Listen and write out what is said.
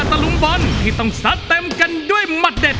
กลุ่มนี้ค่ะสมใจมากครับ